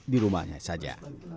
di rumahnya saja